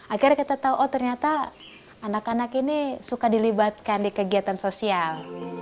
akhirnya kita tahu oh ternyata anak anak ini suka dilibatkan di kegiatan sosial